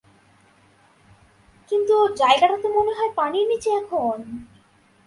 কিন্তু, জায়গাটা তো মনে হয় পানির নিচে এখন!